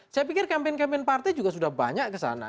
saya pikir campaign campaign partai juga sudah banyak kesana